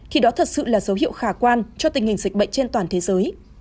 thì đó thật sự là dấu hiệu khả quan cho tình hình dịch bệnh trên toàn thế giới